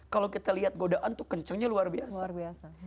kalau kita lihat godaan tuh kencangnya luar biasa